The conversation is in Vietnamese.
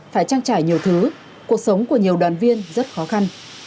phải trang trải nhiều thứ cuộc sống của nhiều đoàn viên rất khó khăn